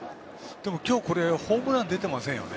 今日ホームラン出ていませんよね。